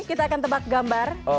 kita akan tebak gambar